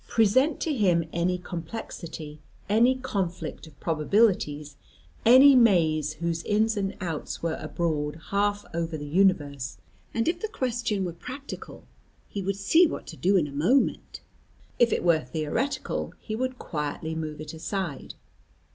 Present to him any complexity, any conflict of probabilities, any maze whose ins and outs were abroad half over the universe, and if the question were practical, he would see what to do in a moment; if it were theoretical, he would quietly move it aside.